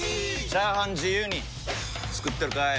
チャーハン自由に作ってるかい！？